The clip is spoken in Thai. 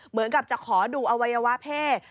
เหมือนกับจะขอดูอวัยวะเพศ